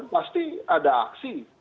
pasti ada aksi